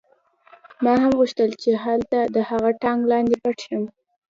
ما هم غوښتل چې هلته د هغه ټانک لاندې پټ شم